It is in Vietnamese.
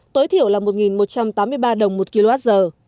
tối thiểu là một một trăm tám mươi ba đồng một kwh